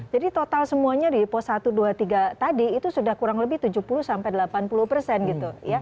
jadi total semuanya di pos satu dua tiga tadi itu sudah kurang lebih tujuh puluh delapan puluh persen gitu